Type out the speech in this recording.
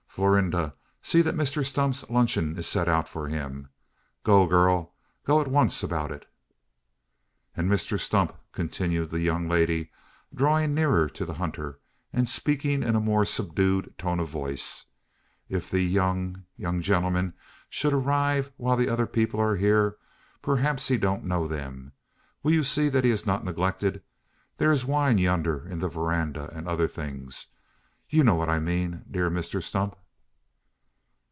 Florinda, see that Mr Stump's luncheon is set out for him. Go, girl go at once about it!" "And, Mr Stump," continued the young lady, drawing nearer to the hunter, and speaking in a more subdued tone of voice, "if the young young gentleman should arrive while the other people are here perhaps he don't know them will you see that he is not neglected? There is wine yonder, in the verandah, and other things. You know what I mean, dear Mr Stump?"